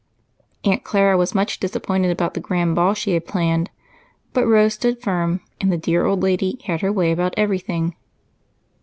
Aunt Clara was much disappointed about the grand ball she had planned, but Rose stood firm, and the dear old lady had her way about everything.